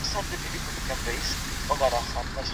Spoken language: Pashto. خپل کلتور تر پردي کلتور خوږ دی.